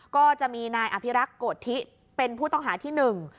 ก็จะมีนายอภิรักษ์โกธิเป็นผู้ต้องหาที่หนึ่ง